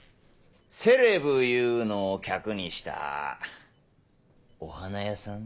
セレブいうのを客にしたお花屋さん。